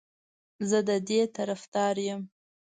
زه د دې طرفدار یم